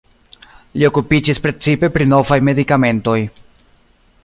Li okupiĝis precipe pri novaj medikamentoj.